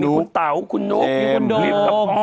มีคุณเต๋าคุณนุ๊กมีคุณโดม